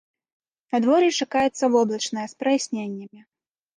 Надвор'е чакаецца воблачнае з праясненнямі.